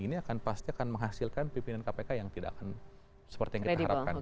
ini akan pasti akan menghasilkan pimpinan kpk yang tidak akan seperti yang kita harapkan